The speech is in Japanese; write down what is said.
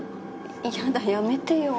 嫌だやめてよ。